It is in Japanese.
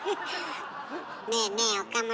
ねえねえ岡村。